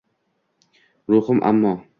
ruhim ammo